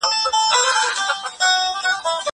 زه پرون واښه راوړله!!